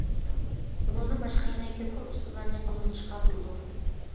بۇنىڭدىن باشقا يەنە كۆپ خىل ئۇسۇللارنى قوللىنىشقا بولىدۇ.